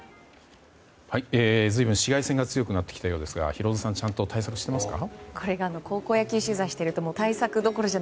随分、紫外線が強くなってきたようですがヒロドさんはちゃんと対策してますか？